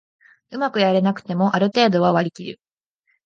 うまくやれなくてもある程度は割りきる